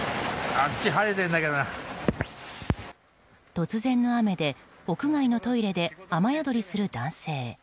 突然の雨で、屋外のトイレで雨宿りする男性。